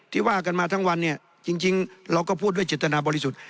ที่ว่ากันมาทั้งวันจริงเราก็พูดด้วยจิตนาบริสุทธิ์